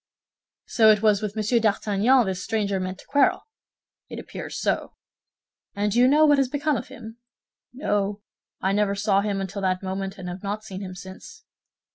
"So it was with Monsieur d'Artagnan this stranger meant to quarrel?" "It appears so." "And do you know what has become of him?" "No, I never saw him until that moment, and have not seen him since."